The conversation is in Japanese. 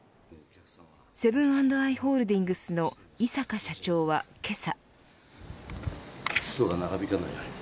セブン＆アイ・ホールディングスの井阪社長はけさ。